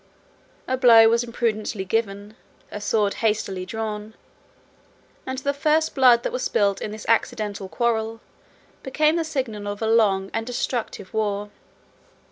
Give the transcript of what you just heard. A blow was imprudently given; a sword was hastily drawn; and the first blood that was spilt in this accidental quarrel, became the signal of a long and destructive war.